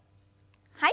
はい。